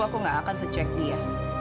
aku gak akan secek dia